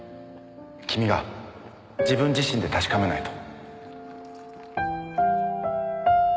君が自分自身で確かめないと。